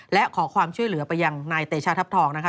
และขอความช่วยเหลือไปยังนายเตชาทัพทองนะคะ